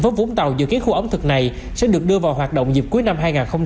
tp vũng tàu dự kiến khu ẩm thực này sẽ được đưa vào hoạt động dịp cuối năm hai nghìn hai mươi ba